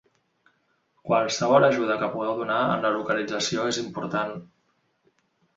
Qualsevol ajuda que pugueu donar en la localització és important.